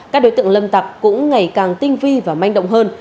các đối tượng lâm tặc cũng ngày càng tinh vi và manh động hơn